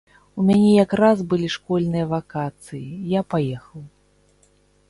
У мяне якраз былі школьныя вакацыі, я паехаў.